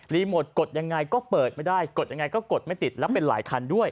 หมดกดยังไงก็เปิดไม่ได้กดยังไงก็กดไม่ติดแล้วเป็นหลายคันด้วย